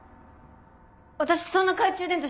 私そんな懐中電灯